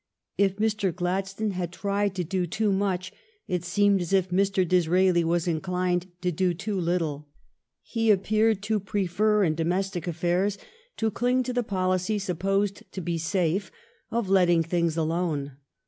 If Mr. Gladstone had tried to do too much, it seemed as if Mr. Disraeli were inclined to do too little. He appeared to prefer in domestic affairs to cling to the policy, supposed to be safe, of letting things alone.